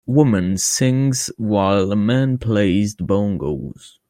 A woman sings while a man plays the bongo 's.